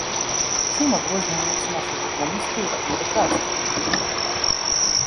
Чым адрозніваюцца нашы журналісты ад амерыканскіх?